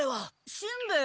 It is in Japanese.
しんべヱ？